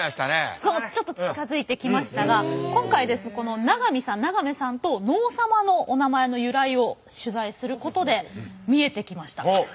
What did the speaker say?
そうちょっと近づいてきましたが今回この詠さん詠さんと能サマのお名前の由来を取材することで見えてきました。